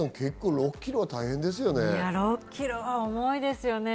６ｋｇは重いですよね。